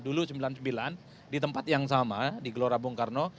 dulu sembilan puluh sembilan di tempat yang sama di gelora bung karno